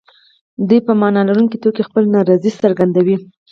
دوی په معنا لرونکي توګه خپله نارضايي څرګندوي.